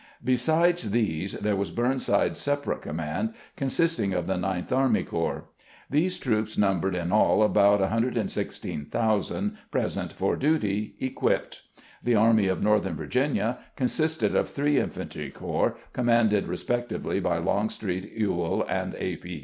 Besides these, there was Burnside's separate command, consist ing of the Ninth Army Corps. These troops numbered in all about 116,000 present for duty, equipped. The Army of Northern Virginia consisted of three infantry corps, commanded respectively by Longstreet, Ewell, and A. P.